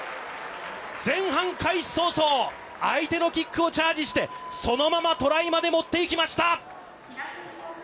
前半開始早々、相手のキックをチャージして、そのままトライまで持っていきました！